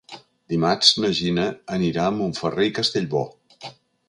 Dimarts na Gina anirà a Montferrer i Castellbò.